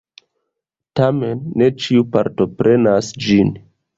Tamen ne ĉiu partoprenas ĝin.